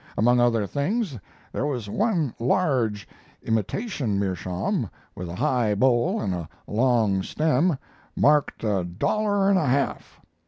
Among other things there was one large imitation meerschaum with a high bowl and a long stem, marked a dollar and a half.